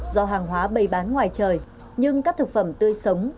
do hàng hóa bày bán ngoài trời nhưng các thực phẩm tươi sống